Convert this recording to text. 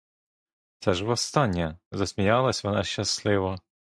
Це ж востаннє!— засміялась вона щасливо.